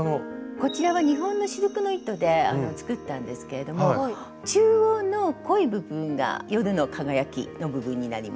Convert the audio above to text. こちらは日本のシルクの糸で作ったんですけれども中央の濃い部分が夜の輝きの部分になります。